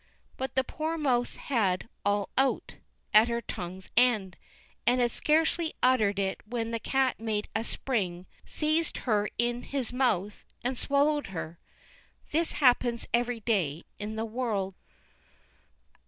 But the poor mouse had "All out" at her tongue's end, and had scarcely uttered it when the cat made a spring, seized her in his mouth, and swallowed her. This happens every day in the world.